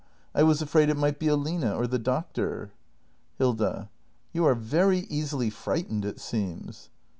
I was afraid it might be Aline or the Doctor. Hilda. You are very easily frightened, it seems!